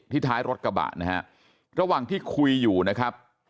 ท้ายรถกระบะนะฮะระหว่างที่คุยอยู่นะครับ